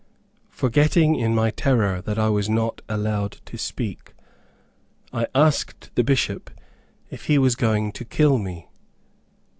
Forgetting in my terror that I was not allowed to speak, I asked the Bishop if he was going to kill me.